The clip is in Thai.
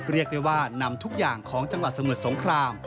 เรียกได้ว่านำทุกอย่างของจังหวัดสมุทรสงคราม